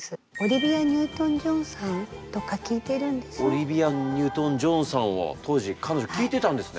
オリビア・ニュートン・ジョンさんを当時彼女聴いてたんですね。